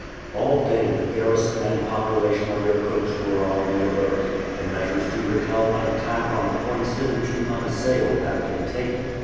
All day the garrison and population of Irkutsk were on the alert. The measures to repel an attack on the points hitherto unassailed had been taken.